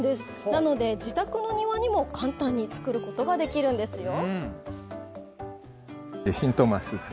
なので、自宅の庭にも簡単に造ることができるんですよ。